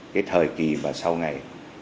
cái thời kỳ mà sau ngày